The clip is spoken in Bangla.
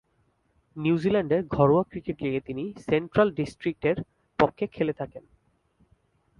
নিউজিল্যান্ডের ঘরোয়া ক্রিকেট লীগে তিনি সেন্ট্রাল ডিস্ট্রিক্স-এর পক্ষে খেলে থাকেন।